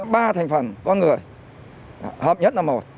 ba thành phần con người hợp nhất là một